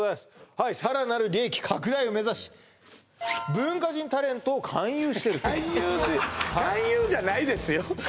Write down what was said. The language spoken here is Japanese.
はいさらなる利益拡大を目指し文化人タレントを勧誘してると勧誘って勧誘じゃないですよ